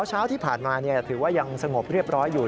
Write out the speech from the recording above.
เช้าที่ผ่านมาถือว่ายังสงบเรียบร้อยอยู่